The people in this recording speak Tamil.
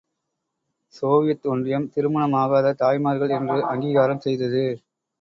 சோவியத் ஒன்றியம் திருமணம் ஆகாத தாய்மார்கள் என்று அங்கீகாரம் செய்தது.